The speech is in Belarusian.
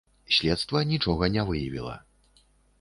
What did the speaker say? Следства нічога не выявіла.